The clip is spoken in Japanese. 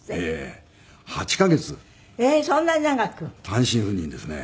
単身赴任ですね。